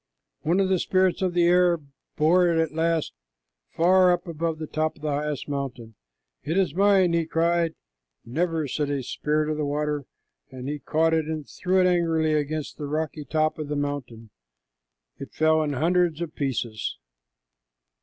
One of the spirits of the air bore it at last far up above the top of the highest mountain. "It is mine," he cried. "Never," said a spirit of the water, and he caught it and threw it angrily against the rocky top of the mountain. It fell in hundreds of pieces.